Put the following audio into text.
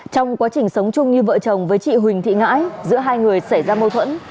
trong quá trình sống chung như vợ chồng với chị huỳnh thị ngãi giữa hai người xảy ra mâu thuẫn